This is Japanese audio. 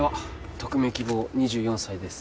匿名希望２４歳です